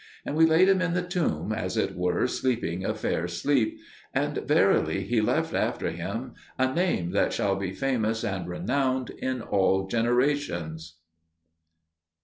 And we laid him in the tomb as it were sleeping a fair sleep; and verily he left after him a name that shall be famous and renowned in all generations.